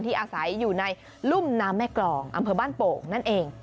อาศัยอยู่ในรุ่มน้ำแม่กรองอำเภอบ้านโป่งนั่นเอง